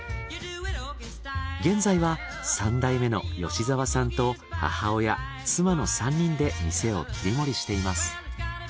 現在は三代目の吉沢さんと母親妻の３人で店を切り盛りしています。